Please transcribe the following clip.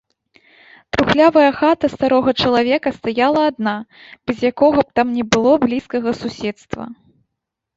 Трухлявая хата старога чалавека стаяла адна, без якога б там ні было блізкага суседства.